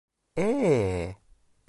Ee?